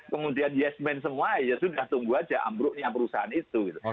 kemudian yes man semua ya sudah tunggu aja ambruknya perusahaan itu